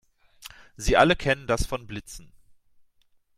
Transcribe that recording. Sie alle kennen das von Blitzen.